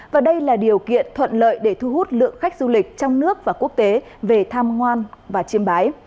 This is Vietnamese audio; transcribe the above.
và đây là điều kiện thuận lợi để thu hút lượng khách du lịch trong nước và quốc tế về tham ngoan và chiêm bái